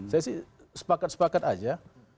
saya sih sepakat sepakat aja